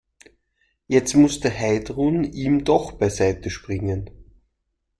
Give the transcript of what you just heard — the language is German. Jetzt musste Heidrun ihm doch beiseite springen.